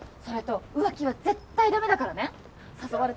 それと浮気は絶対だめだからね？